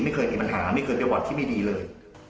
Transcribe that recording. ไม่เคยมีปัญหาไม่เคยไปบ่อนที่ไม่ดีเลย